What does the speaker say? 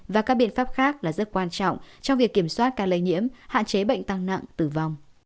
và các biện pháp khác là rất quan trọng trong việc kiểm soát ca lây nhiễm hạn chế bệnh tăng nặng tử vong